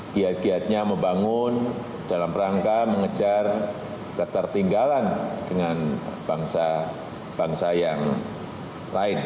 giat giatnya membangun dalam rangka mengejar ketertinggalan dengan bangsa bangsa yang lain